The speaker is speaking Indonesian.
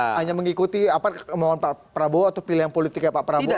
hanya mengikuti apa kemauan pak prabowo atau pilihan politiknya pak prabowo